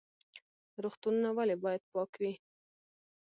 روغتونونه ولې باید پاک وي؟